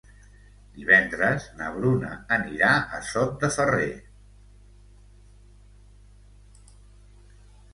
Divendres na Bruna anirà a Sot de Ferrer.